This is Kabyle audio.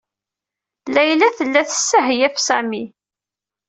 Layla tella tessehyaf Sami.